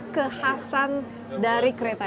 kekhasan dari kereta